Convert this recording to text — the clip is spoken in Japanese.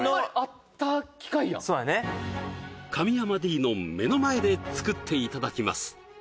神山Ｄの目の前で作っていただきます